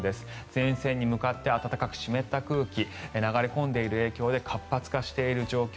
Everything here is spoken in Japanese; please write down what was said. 前線に向かって暖かく湿った空気が流れ込んでいる影響で活発化している状況。